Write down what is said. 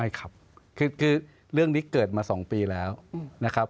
ครับคือเรื่องนี้เกิดมา๒ปีแล้วนะครับ